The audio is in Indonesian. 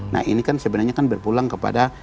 nah ini kan sebenarnya kan berpulang kepada